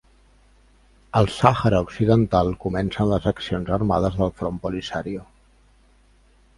Al Sàhara Occidental comencen les accions armades del Front Polisario.